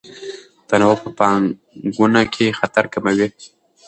تنوع په پانګونه کې خطر کموي.